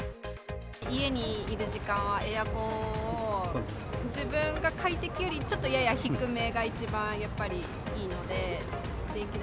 家にいる時間はエアコンを、自分が快適よりちょっとやや低めが一番やっぱりいいので。